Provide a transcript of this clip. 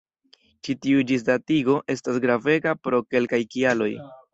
Ĉi tiu ĝisdatigo estas gravega pro kelkaj kialoj.